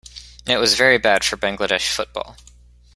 It was very bad for Bangladesh football.